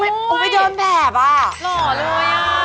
เดินแบบโอ้วไปเดินแบบอ่ะหรอเลยอ่ะ